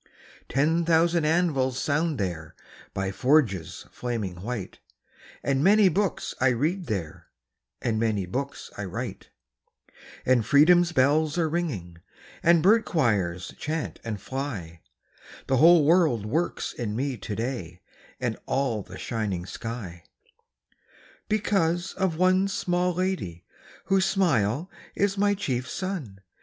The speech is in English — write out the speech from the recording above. Ten thousand anvils sound there By forges flaming white, And many books I read there, And many books I write; And freedom's bells are ringing, And bird choirs chant and fly The whole world works in me to day And all the shining sky, Because of one small lady Whose smile is my chief sun.